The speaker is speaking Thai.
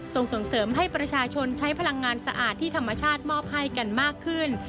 ส่งส่งเสริมให้ประชาชนใช้พลังงานสะอาดที่ธรรมชาติมอบให้กันมากขึ้น